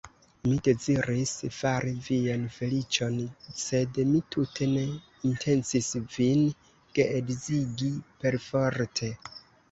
Mi deziris fari vian feliĉon, sed mi tute ne intencis vin geedzigi perforte.